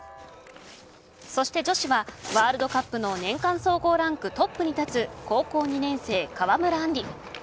そして女子はワールドカップの年間総合ランクトップに立つ高校２年生、川村あんり。